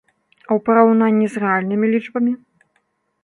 А ў параўнанні з рэальнымі лічбамі?